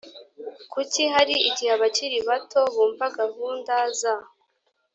Kuki hari igihe abakiri bato bumva gahunda za